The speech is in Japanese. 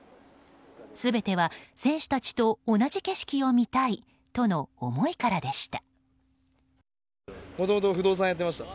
全ては選手たちと同じ景色を見たいとの思いからでした。